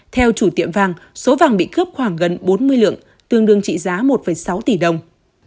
theo chủ tiệm vàng số vàng bị cướp khoảng gần bốn mươi lượng tương đương trị giá một sáu tỷ đồng